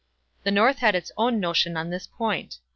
The North had its own notion on this point.